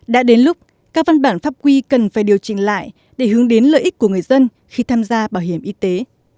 đã đến lúc các văn bản pháp quy cần phải điều chỉnh lại để hướng đến lợi ích của người dân khi tham gia bảo hiểm y tế